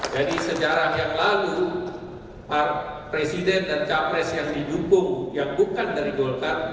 jadi sejarah yang lalu pak presiden dan capres yang didukung yang bukan dari golkar